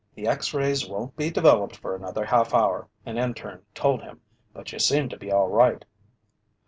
"The X rays won't be developed for another half hour," an interne told him, "but you seem to be all right."